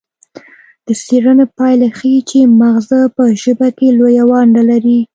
د څیړنې پایله ښيي چې مغزه په ژبه کې لویه ونډه لري